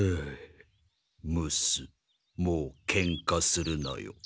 ムスッもうけんかするなよ。